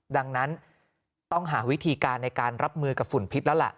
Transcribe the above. ดังนั้นต้องหาวิธีการในการรับมือกับฝุ่นพิษแล้วล่ะ